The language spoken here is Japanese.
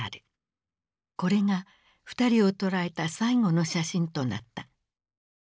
これが二人をとらえた最後の写真となった。